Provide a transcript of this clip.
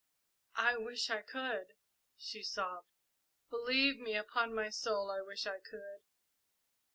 "I wish I could!" she sobbed. "Believe me, upon my soul, I wish I could!"